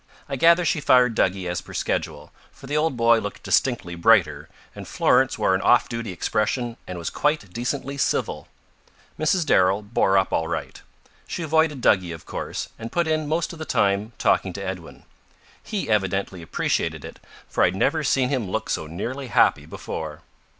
I gather she fired Duggie as per schedule, for the old boy looked distinctly brighter, and Florence wore an off duty expression and was quite decently civil. Mrs. Darrell bore up all right. She avoided Duggie, of course, and put in most of the time talking to Edwin. He evidently appreciated it, for I had never seen him look so nearly happy before.